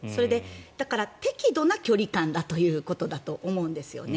だから、適度な距離感だということだと思うんですね。